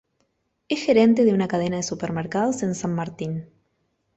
Es gerente de una cadena de supermercados en San Martín.